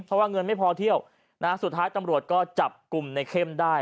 เพราะว่าเงินไม่พอเที่ยวนะฮะสุดท้ายตำรวจก็จับกลุ่มในเข้มได้